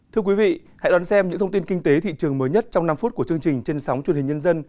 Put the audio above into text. thưa quý vị hãy đón xem những thông tin kinh tế thị trường mới nhất trong năm phút của chương trình trên sóng truyền hình nhân dân